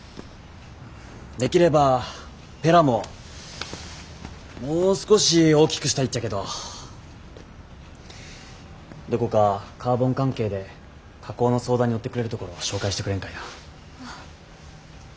できればペラももう少し大きくしたいっちゃけどどこかカーボン関係で加工の相談に乗ってくれるところを紹介してくれんかいな。